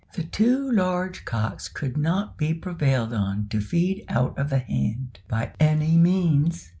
The two large cocks could not be prevailed on to feed out of the hand by any means.